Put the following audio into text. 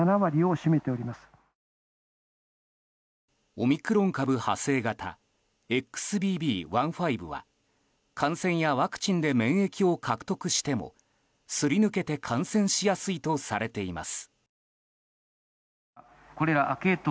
オミクロン株派生型ＸＢＢ．１．５は感染やワクチンで免疫を獲得してもすり抜けて感染しやすいとされています。